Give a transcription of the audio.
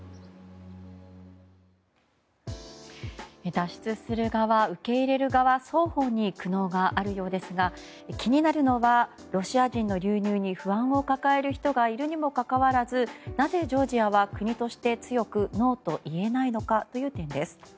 脱出する側、受け入れる側双方に苦悩があるようですが気になるのはロシア人の流入に不安を抱える人がいるにもかかわらずなぜ、ジョージアは国として強くノーと言えないのかという点です。